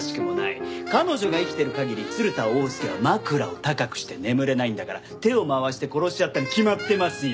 彼女が生きてる限り鶴田翁助は枕を高くして眠れないんだから手を回して殺しちゃったに決まってますよ。